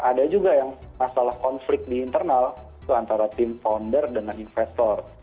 ada juga yang masalah konflik di internal antara tim founder dengan investor